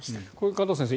加藤先生